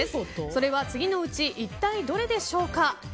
それは次のうち一体、どれでしょうか。